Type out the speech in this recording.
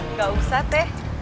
nggak usah teh